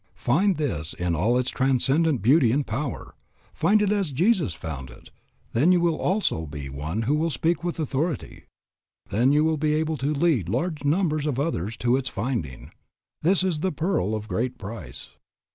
Find this in all its transcendent beauty and power, find it as Jesus found it, then you also will be one who will speak with authority. Then you will be able to lead large numbers of others to its finding. This is the pearl of great price.